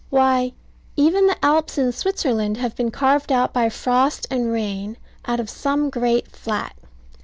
Why, even the Alps in Switzerland have been carved out by frost and rain, out of some great flat.